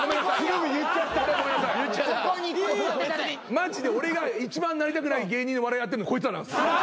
マジで俺が一番なりたくない芸人の笑いやってんのこいつら。